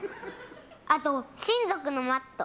あと、親族のマット。